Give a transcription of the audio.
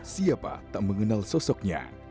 siapa tak mengenal sosoknya